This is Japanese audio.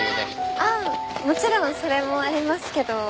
あっもちろんそれもありますけど。